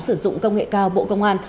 sử dụng công nghệ cao bộ công an